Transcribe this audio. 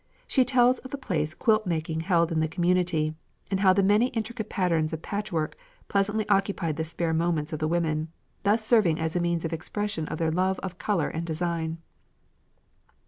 She tells of the place quilt making held in the community, and how the many intricate patterns of patchwork pleasantly occupied the spare moments of the women, thus serving as a means of expression of their love of colour and design.